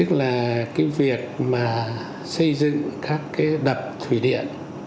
các đập thủy điện